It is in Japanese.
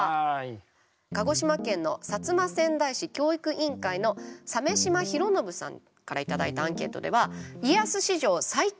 鹿児島県の摩川内市教育委員会の鮫島弘宣さんから頂いたアンケートでは家康史上最恐。